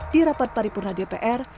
di rapat paripurna dpr